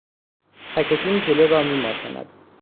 پکتین ژله را میماساند.